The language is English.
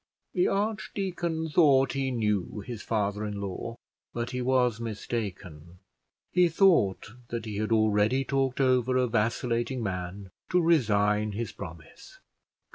The archdeacon thought he knew his father in law, but he was mistaken; he thought that he had already talked over a vacillating man to resign his promise.